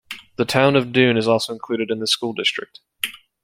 The town of Doon is also included in this school district.